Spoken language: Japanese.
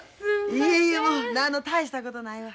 いえいえもうなんの大したことないわ。